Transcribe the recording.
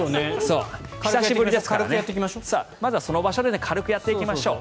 久しぶりです、まずはその場で軽くやっていきましょう。